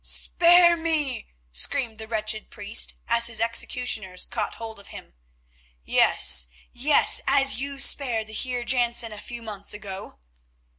"Spare me," screamed the wretched priest, as his executioners caught hold of him. "Yes, yes, as you spared the Heer Jansen a few months ago."